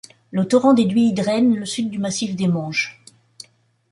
Le torrent des Duyes draine le sud du massif des Monges.